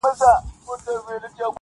• جهالت ته وکتل او د ا غزل مي ولیکل -